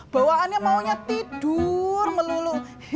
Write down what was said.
bawaannya maunya tidur melulu